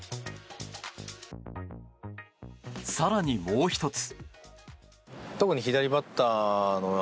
更に、もう１つ。